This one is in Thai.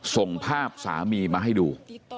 ส่งภาพสามีมาให้ดู